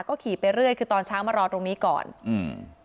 ก็ขี่ไปเรื่อยคือตอนช้างมารอตรงนี้ก่อนอืม